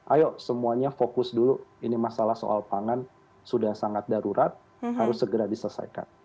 ayo semuanya fokus dulu ini masalah soal pangan sudah sangat darurat harus segera diselesaikan